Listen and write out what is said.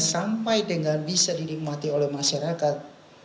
sampai dengan bisa dinikmati oleh masyarakat